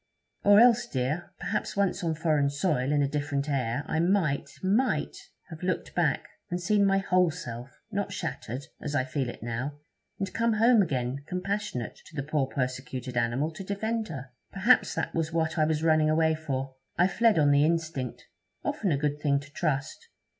'Or else, dear well, perhaps once on foreign soil, in a different air, I might might have looked back, and seen my whole self, not shattered, as I feel it now, and come home again compassionate to the poor persecuted animal to defend her. Perhaps that was what I was running away for. I fled on the instinct, often a good thing to trust.'